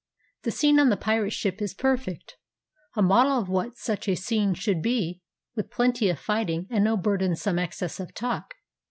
The scene on the pirate ship is perfect, a model of what such a scene should be, with plenty of fighting and no burden some excess of talk.